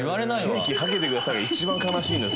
「ケーキはけてください」が一番悲しいんだよ。